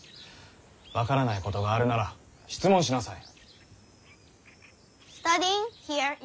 分からないことがあるなら質問しなさい。